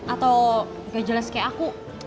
atau gak jelas kayak aku